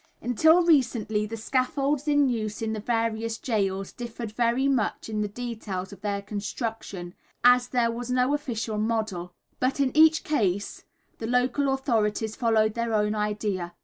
Until recently, the scaffolds in use in the various gaols differed very much in the details of their construction, as there was no official model, but in each case the local authorities followed their own idea.